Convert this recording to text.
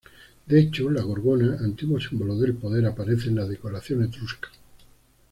De hecho la gorgona, antiguo símbolo del poder, aparece en la decoración etrusca.